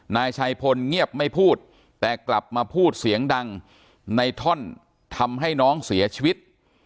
นายชัยพลเงียบไม่พูดแต่กลับมาพูดเสียงดังในท่อนทำให้น้องเสียชีวิต